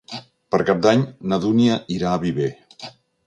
Per Cap d'Any na Dúnia irà a Viver.